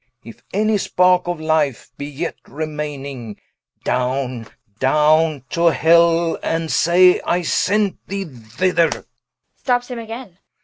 If any sparke of Life be yet remaining, Downe, downe to hell, and say I sent thee thither.